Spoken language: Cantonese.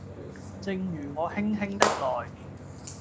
正如我輕輕的來